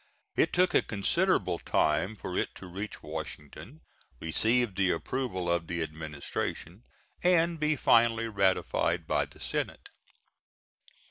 It took a considerable time for it to reach Washington, receive the approval of the administration, and be finally ratified by the Senate.